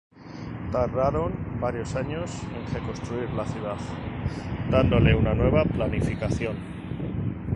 Tardaron varios años en reconstruir la ciudad, dándole una nueva planificación.